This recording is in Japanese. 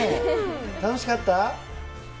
楽しかった？